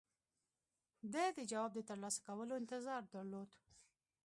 ده د جواب د ترلاسه کولو انتظار درلود.